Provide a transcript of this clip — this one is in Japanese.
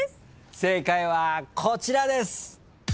正解はこちらです。